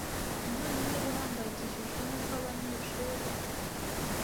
nanone niba uhangayikishijwe n uko abanyeshuri